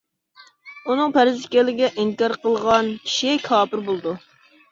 ئۇنىڭ پەرز ئىكەنلىكىگە ئىنكار قىلغان كىشى كاپىر بولىدۇ.